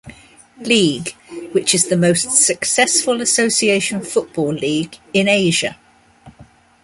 League, which is the most successful association football league in Asia.